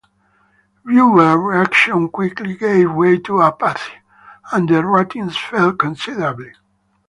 Viewer reaction quickly gave way to apathy and the ratings fell considerably.